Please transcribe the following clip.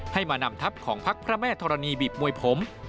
ให้มานำทัพของพักพระแม่ธรณีบีบมวยผม